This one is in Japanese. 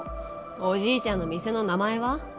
おじいちゃんの店の名前は？